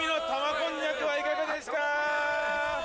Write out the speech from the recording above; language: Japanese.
こんにゃくはいかがですか。